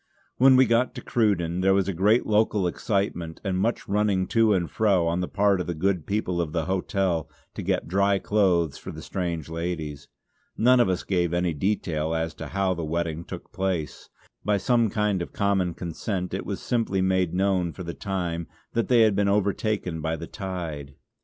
When we got to Cruden there was great local excitement, and much running to and fro on the part of the good people of the hotel to get dry clothes for the strange ladies. None of us gave any detail as to how the wetting took place; by some kind of common consent it was simply made known for the time that they had been overtaken by the tide.